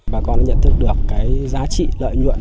bà con đã nhận thức được cái giá trị lợi nhuận